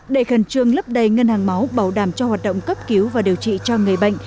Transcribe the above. để khẩn trương lấp đầy ngân hàng máu bảo đảm cho hoạt động cấp cứu và điều trị cho người bệnh